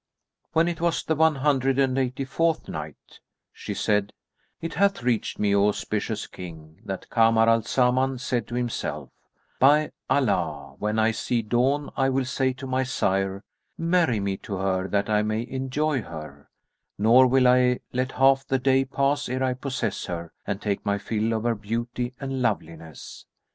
When it was the One Hundred and Eighty fourth Night, She said, It hath reached me, O auspicious King, that Kamar al Zaman said to himself, "By Allah, when I see dawn I will say to my sire, 'Marry me to her that I may enjoy her'; nor will I let half the day pass ere I possess her and take my fill of her beauty and loveliness."